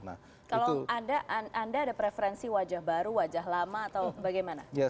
kalau anda ada preferensi wajah baru wajah lama atau bagaimana